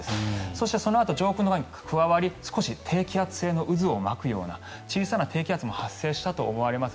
そして、そのあと上空の寒気が加わり少し低気圧性の渦を巻くような小さな低気圧も発生したと思われます。